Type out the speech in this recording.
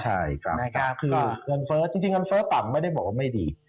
จริงเงินเฟ้อต่ำไม่ได้บอกว่าไม่ดี